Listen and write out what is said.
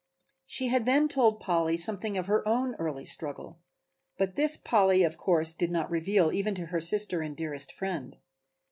She had then told Polly something of her own early struggle, but this Polly of course did not reveal even to her sister and dearest friend.